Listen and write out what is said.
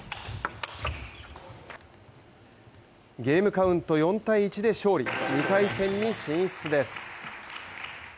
ゲームカウント４−１で勝利２回戦に進出です。